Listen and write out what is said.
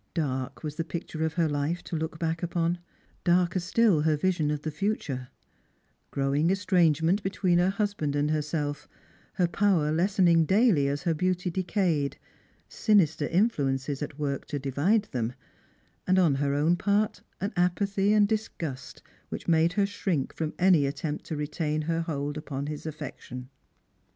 Dark was the picture of her life to look back upon; darker BtiU her vision of the future r growing estrangement between her husband and herself — her power lessening daily as her beauty decayed ; sinister influences at work to divide them, and on her own part an apathy and disgust which made her shrink from any attempt to retain her hold upon his affection.